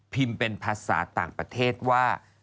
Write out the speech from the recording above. เป็นภาษาต่างประเทศว่า